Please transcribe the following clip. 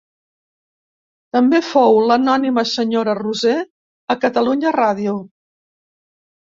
També fou l'anònima senyora Roser a Catalunya Ràdio.